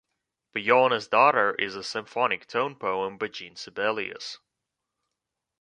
"Pohjola's Daughter" is a symphonic tone poem by Jean Sibelius.